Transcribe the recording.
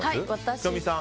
仁美さん。